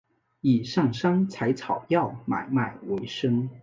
以上山采草药买卖为生。